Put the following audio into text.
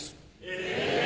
え！